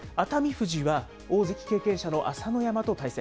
富士は大関経験者の朝乃山と対戦。